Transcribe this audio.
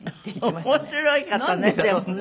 面白い方ねでもね。